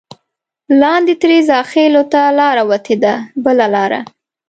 لاندې ترې زاخېلو ته لاره وتې ده بله لاره.